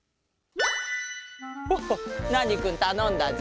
ホホッナーニくんたのんだぞ。